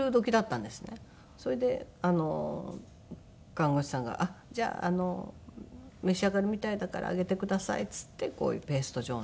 それで看護師さんが「じゃあ召し上がるみたいだからあげてください」って言ってこういうペースト状の。